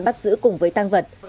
bắt giữ cùng với tăng vật